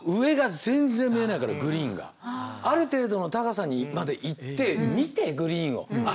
ある程度の高さにまで行って見てグリーンをあ